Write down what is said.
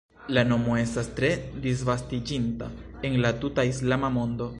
La nomo estas tre disvastiĝinta en la tuta islama mondo.